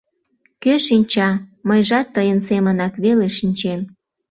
— Кӧ шинча, мыйжат тыйын семынак веле шинчем.